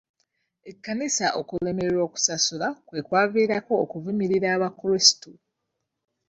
Ekkanisa okulemererwa okusasula kwe kwavirako okuvumirira abakulisitu.